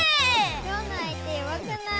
今日の相手弱くない？